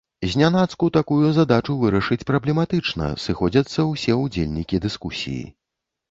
Знянацку такую задачу вырашыць праблематычна, сыходзяцца ўсе ўдзельнікі дыскусіі.